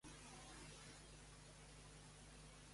Fins quan van estar Jordi i la seva mare a Barcelona?